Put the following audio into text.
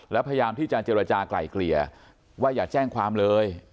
แล้วพยายามที่จะเจรจากลายเกลี่ยว่าอย่าแจ้งความเลย